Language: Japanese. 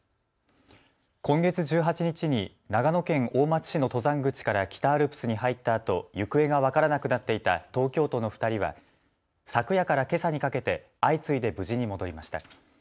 今月１８日に長野県大町市の登山口から北アルプスに入ったあと行方が分からなくなっていた東京都の２人は、昨夜からけさにかけて相次いで無事に戻りました。